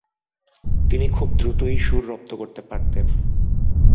তিনি খুব দ্রুতই সুর রপ্ত করতে পারতেন।